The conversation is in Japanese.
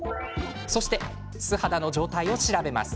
素肌の状態を調べます。